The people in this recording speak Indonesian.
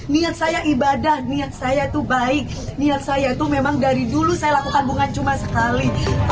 niat saya ibadah niat saya itu baik niat saya itu memang dari dulu saya lakukan bukan cuma sekali